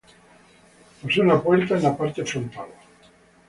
Posee una puerta en la parte frontal.